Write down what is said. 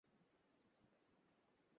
ঐ সাদা জল শেষ হয়ে গেল।